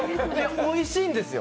おいしいんですよ。